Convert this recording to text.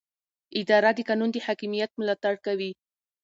اداره د قانون د حاکمیت ملاتړ کوي.